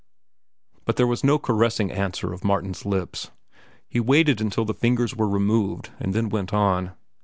But there was no caressing answer of Martin's lips. He waited until the fingers were removed and then went on.